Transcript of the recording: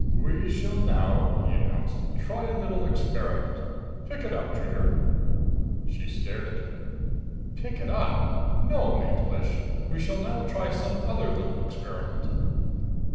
"We shall now," he announced, "try a little experiment. Pick it up, Trigger." She stared at him. "Pick it up! No, Mantelish. We shall now try some other little experiment."